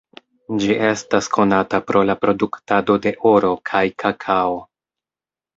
Ĝi estas konata pro la produktado de oro kaj kakao.